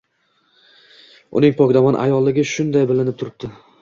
Uning pokdomon ayollig‘i shunday bilinib turibdi